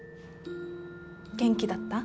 元気だった？